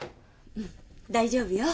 うん大丈夫よ